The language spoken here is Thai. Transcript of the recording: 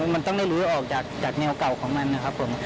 มันต้องได้ลื้อออกจากแนวเก่าของมันนะครับผม